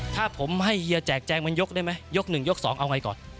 ถ้าผมให้เฮียแจกแจงมันยกได้ไหมยก๑ยก๒เอาไงก่อน